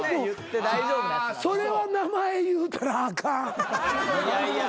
それは名前言うたらあかん。